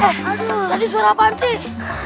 eh tadi suara apaan sih